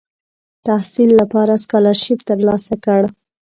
تحصیل لپاره سکالرشیپ تر لاسه کړ.